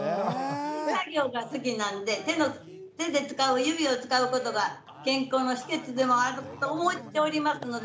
手作業が好きなんで手で使う指を使うことが健康の秘けつでもあると思っておりますので。